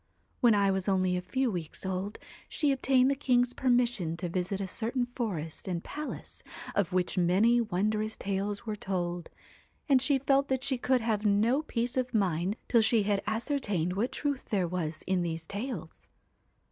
1 When I was only a few weeks old, she obtained the king's permission to visit a certain forest and palace, of which many wondrous tales were told, and she felt that she could have no peace of mind till she had ascertained what truth there was in these tales.